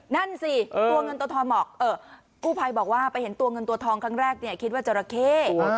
นั่นสิตัวเงินตัวทองบอกกู้ภัยบอกว่าไปเห็นตัวเงินตัวทองครั้งแรกเนี่ยคิดว่าจราเข้